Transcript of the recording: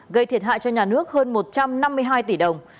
gây thiệt hại cho nhà nước hơn một trăm năm mươi hai tỷ đồng